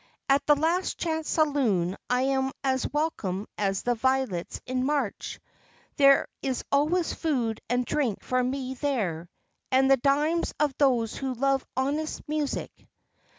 At the Last Chance Saloon I am as welcome as the violets in March; there is always food and drink for me there, and the dimes of those who love honest music.